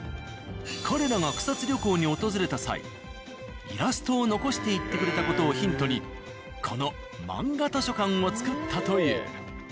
彼らが草津旅行に訪れた際イラストを残していってくれた事をヒントにこの漫画図書館をつくったという。